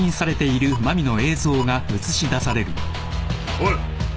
おい！